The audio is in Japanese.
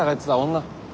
女？